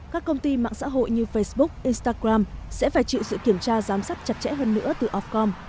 các công ty mạng xã hội như facebook instagram sẽ phải chịu sự kiểm tra giám sát chặt chẽ hơn nữa từ ofcom